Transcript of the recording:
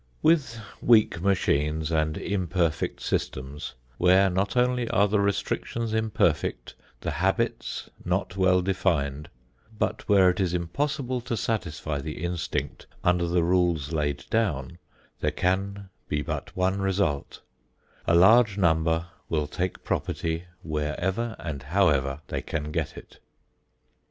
With weak machines and imperfect systems, where not only are the restrictions imperfect, the habits not well defined, but where it is impossible to satisfy the instinct under the rules laid down, there can be but one result; a large number will take property wherever and however they can get it.